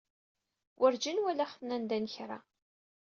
Werjin walaɣ-ten anda n kra.